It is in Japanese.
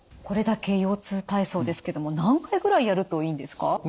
これだけ腰痛体操ですけども何回ぐらいやるといいんですか？